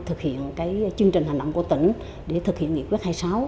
thực hiện chương trình hành động của tỉnh để thực hiện nghị quyết hai mươi sáu